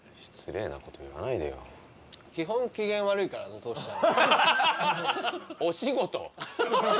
基本機嫌悪いからなトシちゃん。